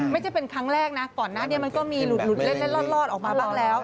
ไม่ใช่เป็นครั้งแรกนะก่อนหน้านี้มันก็มีหลุดเล่นลอดออกมาบ้างแล้ว